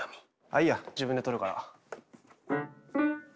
いいや自分で取るから。